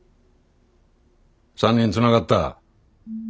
３人つながった。